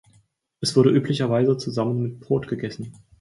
Es wurde üblicherweise zusammen mit Brot gegessen.